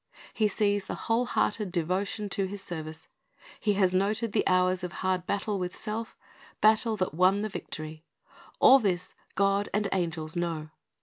He sees the whole hearted devotion to His service. He has noted the hours of hard battle with self, — battle that won the victory. All this God and angels know.